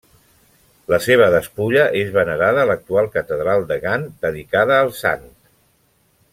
La seva despulla és venerada a l'actual catedral de Gant, dedicada al sant.